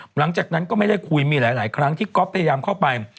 หลังจากนั้นก็ไม่ได้คุยมีหลายครั้งที่ก๊อฟพยายามเข้าไป